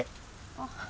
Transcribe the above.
あっ。